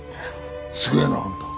すげえなあんた。